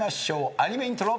アニメイントロ。